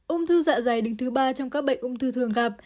ung thư dạ dày đứng thứ ba trong các bệnh ung thư thường gặp